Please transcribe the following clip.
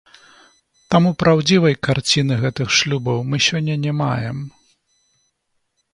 Таму праўдзівай карціны гэтых шлюбаў мы сёння не маем.